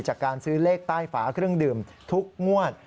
จากการซื้อเลขใต้ฝาเครื่องดื่มทุกงวด